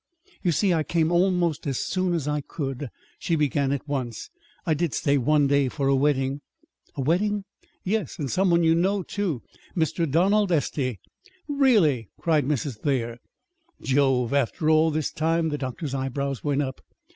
"You see, I came almost as soon as I could," she began at once. "I did stay one day for a wedding." "A wedding?" "Yes, and some one you know, too Mr. Donald Estey." "Really?" cried Mrs. Thayer. "Jove! After all this time?" The doctor's eyebrows went up.